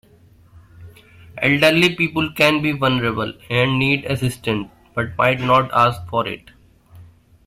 Elderly people can be vulnerable and need assistance, but might not ask for it.